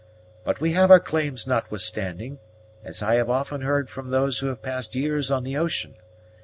But we have our claims notwithstanding, as I have often heard from those who have passed years on the ocean.